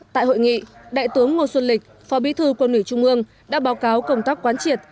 tại hội nghị đại tướng ngô xuân lịch phó bí thư quân ủy trung ương đã báo cáo công tác quán triệt